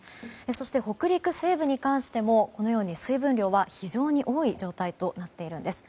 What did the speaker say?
そして北陸西部に関しても水分量は非常に多い状態となっているんです。